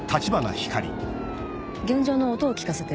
現場の音を聞かせて。